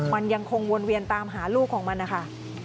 มันยังคงวนเวียนตามหาลูกของมันนะคะ